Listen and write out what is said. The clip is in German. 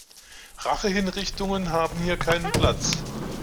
Rachehinrichtungen haben hier keinen Platz.